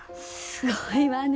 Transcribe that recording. すごいわね